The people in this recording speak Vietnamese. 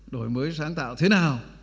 đổi mới sáng tạo thế nào